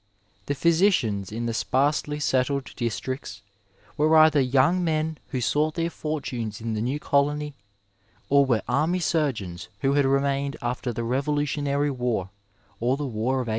The physicians in the sparsely settled dislxicts were either young men who sought their fortunes in the new colony or were army surgeons, who had remained after the revolutionary war or the war of 1812.